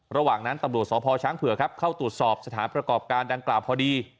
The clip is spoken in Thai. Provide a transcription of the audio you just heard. ระหว่างนั้นตำรวจสพช้างเผือกครับเข้าตรวจสอบสถานประกอบการดังกล่าวพอดี